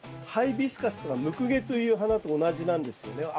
ハイビスカスとかムクゲという花と同じなんですよね。